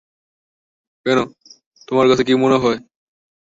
তোমার কাছে কী মনে হয়?